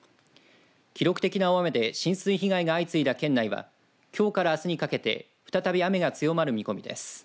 記録的な大雨で浸水被害が相次いだ県内はきょうからあすにかけて再び雨が強まる見込みです。